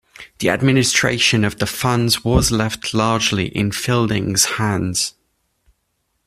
The administration of the funds was left largely in Fielding's hands.